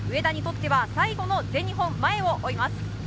植田にとっては最後の全日本、前を追います。